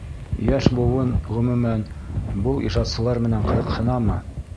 Йәш быуын, ғөмүмән, был ижадсылар менән ҡыҙыҡһынамы?